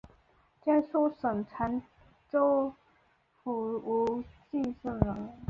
江苏省常州府武进县人。